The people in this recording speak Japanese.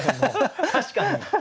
確かに。